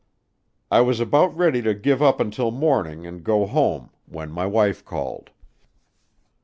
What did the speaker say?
I was about ready to give up until morning and go home when my wife called.